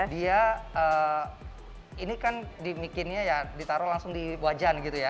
dia ini kan dibikinnya ya ditaruh langsung di wajan gitu ya